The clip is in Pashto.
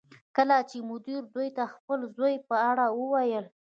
کله چې مدیر دوی ته د خپل زوی په اړه وویل